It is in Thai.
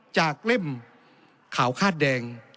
เล่มขาวคาดแดง